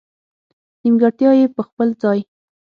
نېمګړتیا یې په خپل ځای.